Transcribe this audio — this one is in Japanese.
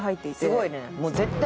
すごいね！